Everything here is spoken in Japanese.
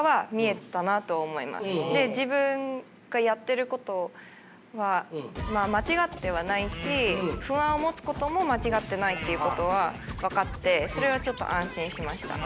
自分がやってることは間違ってはないし不安を持つことも間違ってないということは分かってそれはちょっと安心しました。